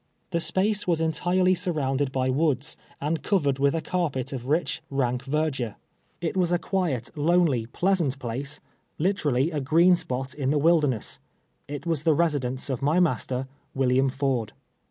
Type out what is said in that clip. The space was entirely sur rounded by woods, and covered with a carpet of rich, rank verdure. It was a quiet, lonely, pleasant place — literally a green spot in the wilderness. It was the residence of my master, William Ford.